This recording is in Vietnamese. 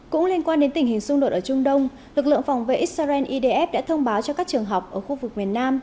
cũng liên quan đến tình hình xung đột ở trung đông lực lượng phòng vệ israel idf đã thông báo cho các trường học ở khu vực miền nam